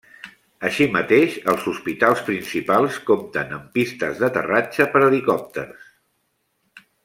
Així mateix els hospitals principals compten amb pistes d'aterratge per helicòpters.